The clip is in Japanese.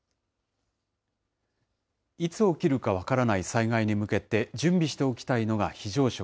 いつ起きるか分からない災害に向けて、準備しておきたいのが非常食。